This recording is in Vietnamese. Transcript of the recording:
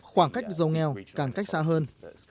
khoảng cách giàu nghèo càng cách xa hơn